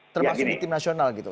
termasuk di tim nasional gitu